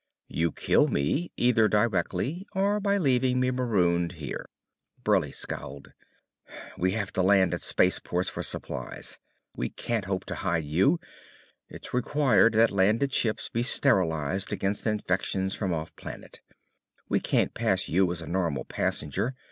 You kill me, either directly or by leaving me marooned here." Burleigh scowled. "We have to land at space ports for supplies. We can't hope to hide you, it's required that landed ships be sterilized against infections from off planet. We can't pass you as a normal passenger.